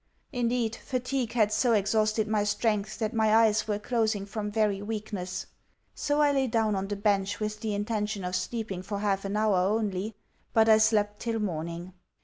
Indeed, fatigue had so exhausted my strength that my eyes were closing from very weakness. So I lay down on the bench with the intention of sleeping for half an hour only; but, I slept till morning.